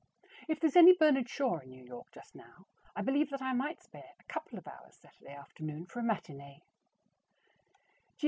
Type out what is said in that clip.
If there's any Bernard Shaw in New York just now, I believe that I might spare a couple of hours Saturday afternoon for a matinee.